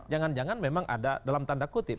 jangan jangan memang ada dalam tanda kutip